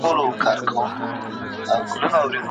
دواړي سترګي یې تړلي وې روان وو